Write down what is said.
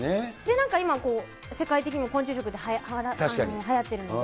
なんか今、世界的にも昆虫食ってはやってるので。